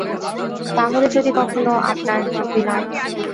তা হলে যদি কখনো আপনার– বিনয়।